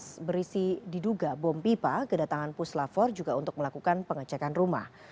tas berisi diduga bom pipa kedatangan puslavor juga untuk melakukan pengecekan rumah